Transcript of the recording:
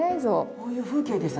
こういう風景でした